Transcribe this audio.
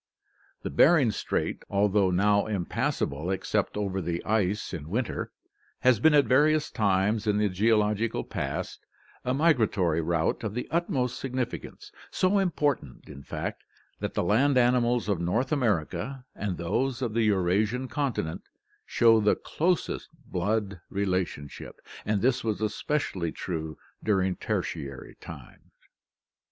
Bering Strait, although now impassable except over the ice in winter, has been at various times in the geologic past a migratory route of the utmost significance, so important in fact that the land animals of North America and those of the Eurasian continent show the closest blood relationship, and this was especially true during Tertiary time.